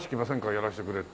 やらしてくれって。